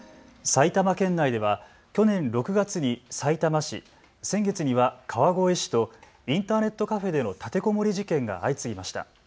埼玉県内では去年６月にさいたま市、先月には川越市と、インターネットカフェでの立てこもり事件が相次ぎました。